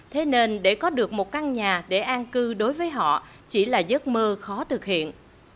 thế nên để có được một căn nhà để an cư đối với họ chỉ là giấc mơ khó thực hiện